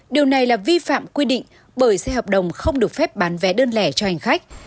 điều này là vi phạm quy định bởi xe hợp đồng không được phép bán vé đơn lẻ cho hành khách